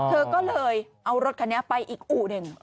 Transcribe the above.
เธอก็เลยเอารถคันนี้ไปอีกอู่หนึ่ง